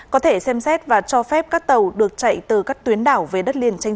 có thể xem xét và cho phép các tàu được chạy từ các tuyến đảo về đất liền